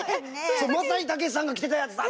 まさにたけしさんが着てたやつだ！